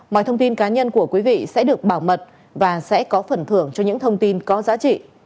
mọi thông tin cá nhân của quý vị sẽ được bảo mật và sẽ có phần thưởng cho những thông tin có giá trị